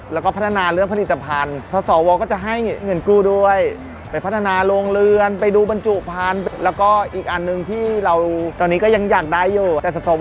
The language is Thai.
แล้วก็ปัฒนาเรื่องผลิตภัณฑ์